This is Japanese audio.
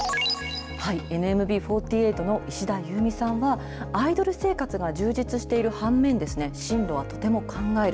ＮＭＢ４８の石田優美さんは、アイドル生活が充実している反面、進路はとても考える。